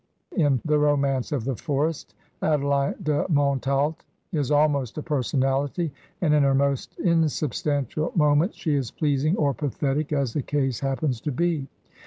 In "The Romance of the Forest" Adeline de Montalt is almost a personality, and in her most insubstantial moments she is pleasing or pathetic, as the case hap pens to be.